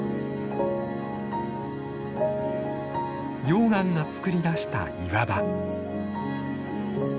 溶岩がつくり出した岩場。